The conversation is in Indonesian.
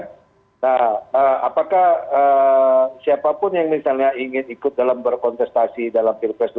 nah apakah siapapun yang misalnya ingin ikut dalam berkontestasi dalam pilpres dua ribu sembilan